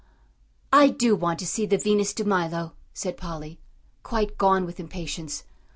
"I do want to see the Venus de Milo," said Polly, quite gone with impatience.